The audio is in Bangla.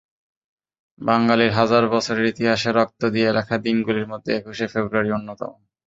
বাঙালির হাজার বছরের ইতিহাসে রক্ত দিয়ে লেখা দিনগুলির মধ্যে একুশে ফেব্রুয়ারি অন্যতম।